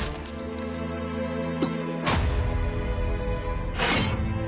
あっ！？